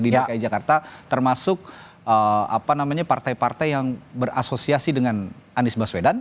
di dki jakarta termasuk partai partai yang berasosiasi dengan anies baswedan